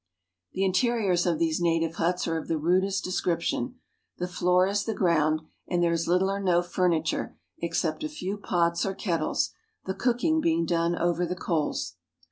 The interiors of these native huts are of the rudest de scription. The floor is the ground, and there is little or no . furniture except a few pots or kettles, the cooking being done over the coals.